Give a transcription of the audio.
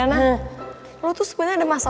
maksudnya dia mau hijau